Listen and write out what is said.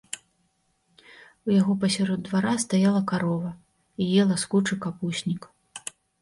У яго пасярод двара стаяла карова і ела з кучы капуснік.